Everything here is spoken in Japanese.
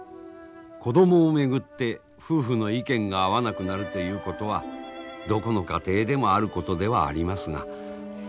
子供を巡って夫婦の意見が合わなくなるということはどこの家庭でもあることではありますが。